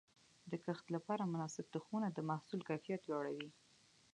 د کښت لپاره مناسب تخمونه د محصول کیفیت لوړوي.